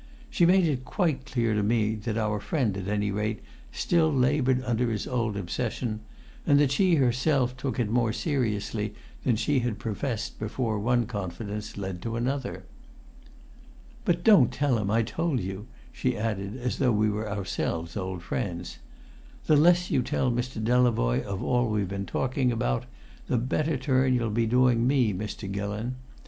She made it quite clear to me that our friend, at any rate, still laboured under his old obsession, and that she herself took it more seriously than she had professed before one confidence led to another. "But don't you tell him I told you!" she added as though we were ourselves old friends. "The less you tell Mr. Delavoye of all we've been talking about, the better turn you'll be doing me, Mr. Gillon.